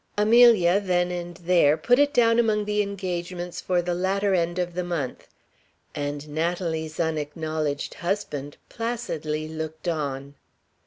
Amelia, then and there, put it down among the engagements for the latter end of the month. And Natalie's unacknowledged husband placidly looked on.